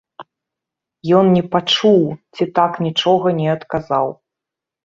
Ён не пачуў ці так нічога не адказаў.